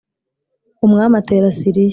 Umwami atera siriya